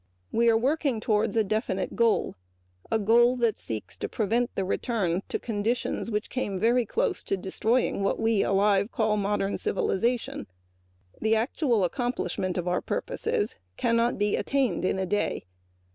We are working toward a definite goal, which is to prevent the return of conditions which came very close to destroying what we call modern civilization. The actual accomplishment of our purpose cannot be attained in a day.